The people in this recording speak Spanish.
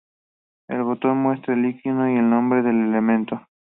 El botón muestra el icono y el nombre del elemento.